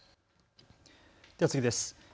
では次です。